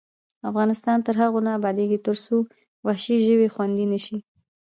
افغانستان تر هغو نه ابادیږي، ترڅو وحشي ژوي خوندي نشي.